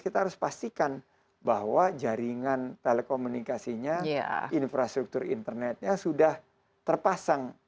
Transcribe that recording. kita harus pastikan bahwa jaringan telekomunikasinya infrastruktur internetnya sudah terpasang